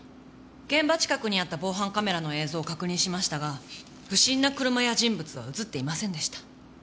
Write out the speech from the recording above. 現場近くにあった防犯カメラの映像を確認しましたが不審な車や人物は映っていませんでした。